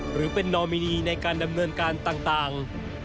หรือเป็นนอมินีในการดำเนินการต่าง